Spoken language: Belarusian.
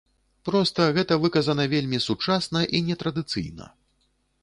Проста гэта выказана вельмі сучасна і нетрадыцыйна.